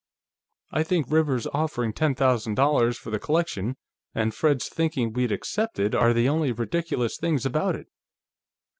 "I think Rivers's offering ten thousand dollars for the collection, and Fred's thinking we'd accept it, are the only ridiculous things about it."